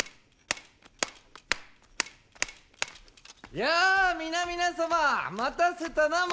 いや皆々様待たせたなも！